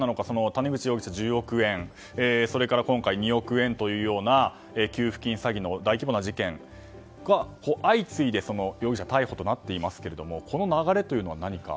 谷口容疑者は１０億円そして今回は２億円というような給付金詐欺の大規模な事件が相次いで容疑者、逮捕となっていますがこの流れは何か。